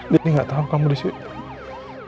deddy gak tau kamu disitu